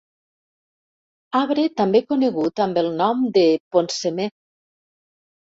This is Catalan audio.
Arbre també conegut amb el nom de poncemer.